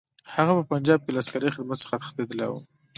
هغه په پنجاب کې له عسکري خدمت څخه تښتېدلی وو.